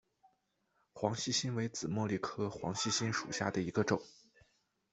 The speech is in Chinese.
黄细心为紫茉莉科黄细心属下的一个种。